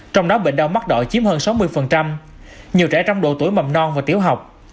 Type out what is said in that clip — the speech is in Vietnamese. trong đó bệnh đau mắt đỏ chiếm hơn sáu mươi nhiều trẻ trong độ tuổi mầm non và tiểu học